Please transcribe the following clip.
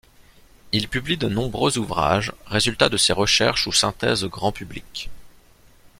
Il publie de nombreux ouvrages, résultats de ses recherches ou synthèses grand public.